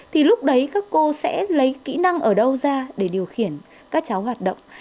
thì lúc đấy các cô sẽ lấy kỹ năng ở đâu ra để điều khiển các cháu hoạt động